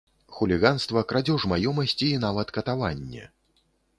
Хуліганства, крадзеж маёмасці, і нават катаванне!